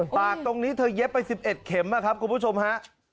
ปากตรงนี้เธอเย็บไป๑๑เข็มนะครับคุณผู้ชมฮะ